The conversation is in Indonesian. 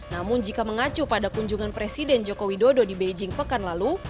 namun jika mengacu pada kunjungan presiden joko widodo di beijing pekan lalu